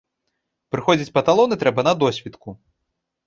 Прыходзіць па талоны трэба на досвітку.